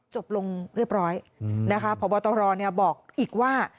จบลงเรียบร้อยนะคะพบตรบอกอีกว่า